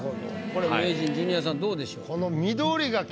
これ名人ジュニアさんどうでしょう？